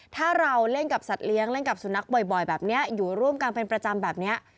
ถ้าเราเล่นกับสัตว์เลี้ยงเล่นกับสุนัขบ่อยแบบนี้อยู่ร่วมกันเป็นประจำแบบนี้